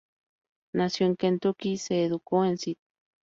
Nacido en Kentucky, se educó en St.